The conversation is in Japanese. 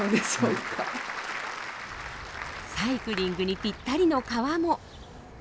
サイクリングにぴったりの川も。